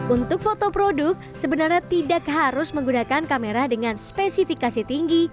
untuk foto produk sebenarnya tidak harus menggunakan kamera dengan spesifikasi tinggi